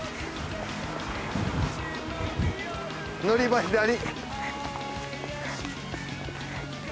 乗り場左。